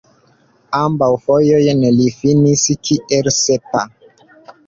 Ambaŭ fojojn li finis kiel sepa.